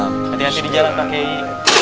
hati hati di jalan pak kiai